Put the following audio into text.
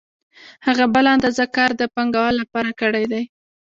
هغه بله اندازه کار د پانګوال لپاره کړی دی